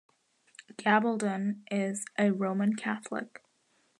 Gabaldon is a Roman Catholic.